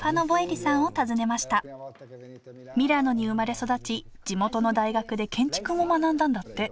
ミラノに生まれ育ち地元の大学で建築も学んだんだって